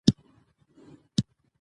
تېر وخت بېرته نه راځي.